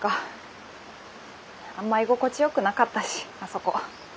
あんま居心地よくなかったしあそこ。